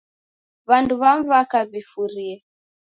W'andu w'amu w'aka w'ifurie.